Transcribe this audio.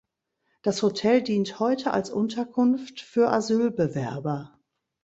Das Hotel dient heute als Unterkunft für Asylbewerber.